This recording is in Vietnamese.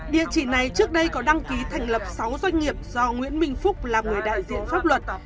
địa chỉ này trước đây có đăng ký thành lập sáu doanh nghiệp do nguyễn minh phúc làm người đại diện pháp luật